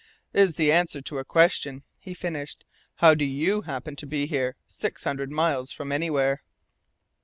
"Is the answer to a question," he finished. "How do YOU happen to be here, six hundred miles from anywhere?"